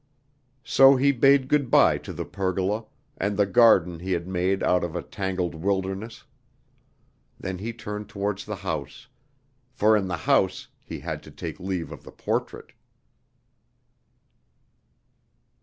So he bade good by to the pergola, and the garden he had made out of a tangled wilderness. Then he turned towards the house; for in the house he had to take leave of the portrait.